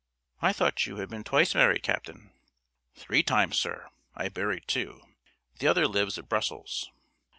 "I thought you had been twice married, captain." "Three times, sir. I buried two. The other lives at Brussels.